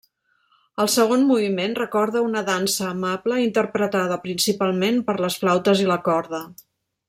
El segon moviment recorda una dansa amable interpretada principalment per les flautes i la corda.